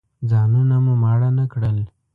ځانونه مو ماړه نه کړل.